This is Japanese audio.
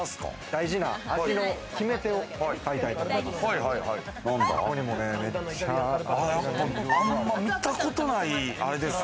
大事な味の決め手を買いたいと思います。